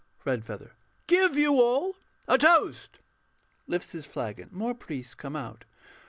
REDFEATHER. Give you all a toast. [_Lifts his flagon. More priests come out.